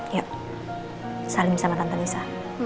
yuk salim sama tante nisa